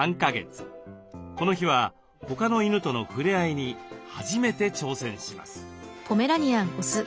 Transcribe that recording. この日は他の犬との触れ合いに初めて挑戦します。